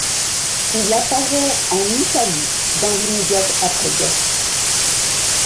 Il apparaît en Italie dans l'immédiate après-guerre.